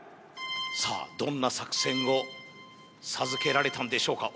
さあどんな作戦を授けられたんでしょうか？